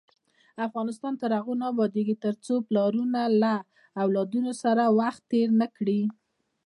افغانستان تر هغو نه ابادیږي، ترڅو پلرونه له اولادونو سره وخت تیر نکړي.